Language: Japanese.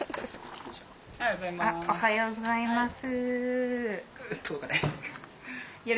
おはようございます。